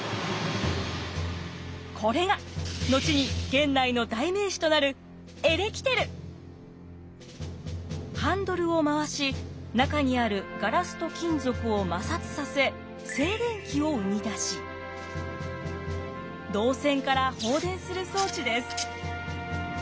これが後に源内の代名詞となるハンドルを回し中にあるガラスと金属を摩擦させ静電気を生み出し導線から放電する装置です。